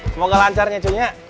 semoga lancarnya cuy ya